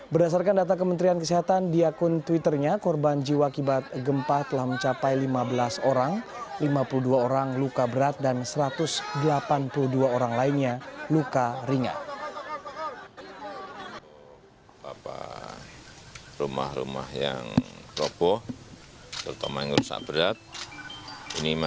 berdasarkan data kementerian kesehatan di akun twitternya korban jiwa akibat gempa telah mencapai lima belas orang lima puluh dua orang luka berat dan satu ratus delapan puluh dua orang lainnya luka ringan